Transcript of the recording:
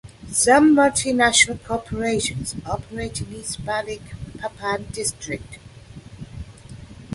Some multinational corporations operate in East Balikpapan district.